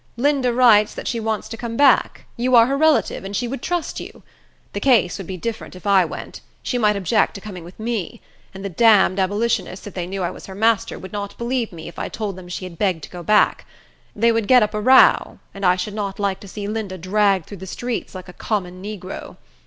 Linda writes that she wants to come back. You are her relative, and she would trust you. The case would be different if I went. She might object to coming with me; and the damned abolitionists, if they knew I was her master, would not believe me, if I told them she had begged to go back. They would get up a row; and I should not like to see Linda dragged through the streets like a common negro.